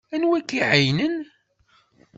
Anwa ay ak-iɛeyynen?